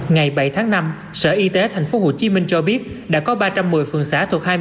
ngày bảy tháng năm sở y tế tp hcm cho biết đã có ba trăm một mươi phường xã thuộc hai mươi hai